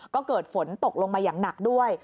ก็เกิดฝนตกลงมาอย่างหนักด้วย